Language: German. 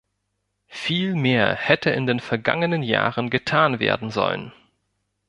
Viel mehr hätte in den vergangenen Jahren getan werden sollen.